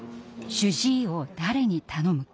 主治医を誰に頼むか。